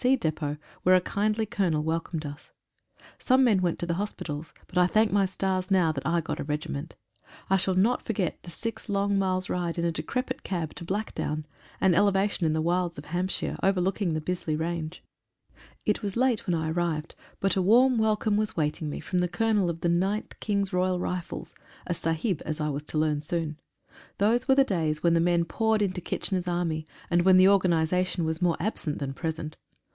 C. depot, where a kindly Colonel welcomed us. Some men went to hospitals, but I thank my stars now that I got a regiment. I shall not forget the long six miles ride in a decrepit cab, out 109 ANNIVERSARY REVIEW. to Blackdown — an elevation in the wilds of Hampshire, overlooking the Bisley Range. It was late when I arrived, but a warm welcome was waiting me from the Colonel of the Ninth King's Royal Rifles — a Sahib, as I was to learn soon. Those were the days when the men poured into Kitchener's Army, and when the orga nisation was more absent than present.